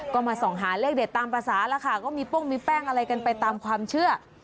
ก็มาส่องหาเลขเด็ดตามภาษาแล้วค่ะก็มีปุ้งมีแป้งอะไรกันไปตามความเชื่อ